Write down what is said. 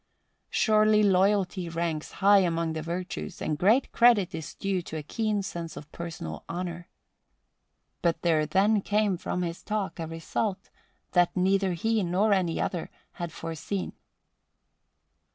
Surely loyalty ranks high among the virtues and great credit is due to a keen sense of personal honour. But there then came from his talk a result that neither he nor any other had foreseen.